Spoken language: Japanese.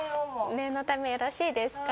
念のためよろしいですか？